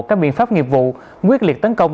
các biện pháp nghiệp vụ nguyên liệt tấn công